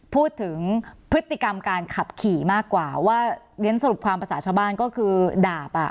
พูดถึงพฤติกรรมการขับขี่มากกว่าว่าเรียนสรุปความภาษาชาวบ้านก็คือดาบอ่ะ